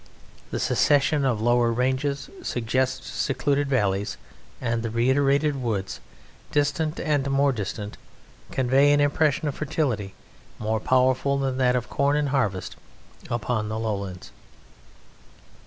The succession of lower ranges suggests secluded valleys, and the reiterated woods, distant and more distant, convey an impression of fertility more powerful than that of corn in harvest upon the lowlands.